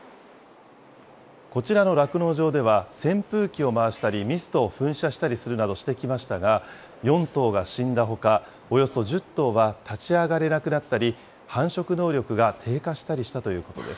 こちらの酪農場では、扇風機を回したり、ミストを噴射したりするなどしてきましたが、４頭が死んだほか、およそ１０頭は立ち上がれなくなったり、繁殖能力が低下したりしたということです。